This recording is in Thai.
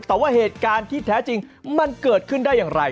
แต่ว่าเหตุการณ์ที่แท้จริงมันเกิดขึ้นได้อย่างไร